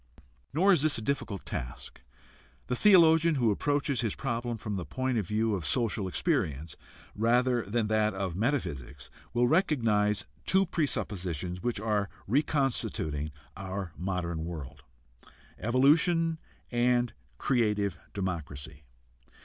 Nor is this a difficult task. The theologian who approaches his problem from the point of view of social experience rather than that of metaphysics will recognize two presuppositions which are reconstituting our modern world: evolution and creative democracy.